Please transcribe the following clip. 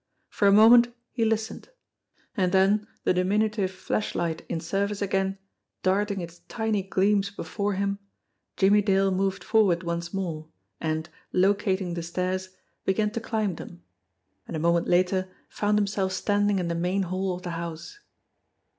For a moment he listened ; and then, the diminutive flashlight in service again, darting its tiny gleams before him, Jimmie Dale moved forward once more, and, locating the stairs, began to climb them and a moment later found himself standing in the main hall of the house.